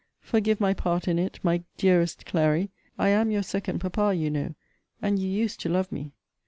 Forgive my part in it, my dearest Clary. I am your second papa, you know. And you used to love me.